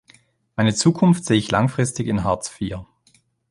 Meine Zukunft sehe ich langfristig in Hartz Vier.